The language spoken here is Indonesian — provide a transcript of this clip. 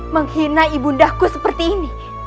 menghina ibu undahku seperti ini